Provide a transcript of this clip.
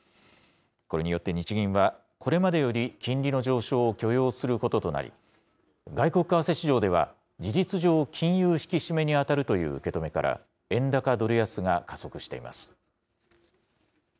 これによって日銀は、これまでより金利の上昇を許容することとなり、外国為替市場では、事実上、金融引き締めに当たるという受け止めから、円高ドル安が加速しています。